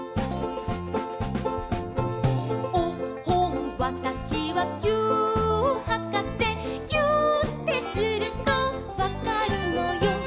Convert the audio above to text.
「おっほんわたしはぎゅーっはかせ」「ぎゅーってするとわかるのよ」